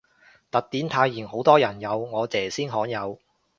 特典泰妍好多人有，我姐先罕有